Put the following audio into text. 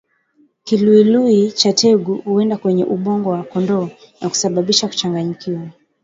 Kiluilui cha tegu huenda kwenye ubongo wa kondoo na kusababisha kuchanganyikiwa